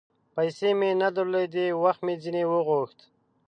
پیسې مې نه درلودې ، وخت مې ځیني وغوښت